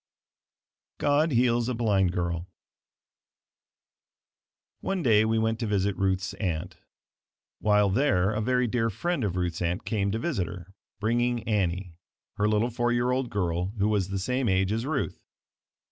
GOD HEALS A BLIND GIRL One day we went to visit Ruth's aunt. While there, a very dear friend of Ruth's aunt came to visit her, bringing Annie, her little four year old girl who was the same age as Ruth.